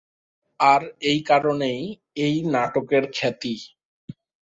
আর এই কারণেই এই নাটকের খ্যাতি।